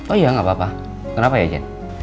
oh iya gak apa apa kenapa ya jen